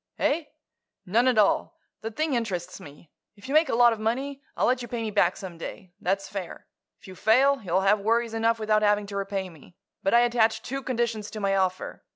"Eh? None at all. The thing interests me. If you make a lot of money, I'll let you pay me back some day. That's fair. If you fail, you'll have worries enough without having to repay me. But I attach two conditions to my offer.